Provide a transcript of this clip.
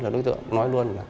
đối tượng nói luôn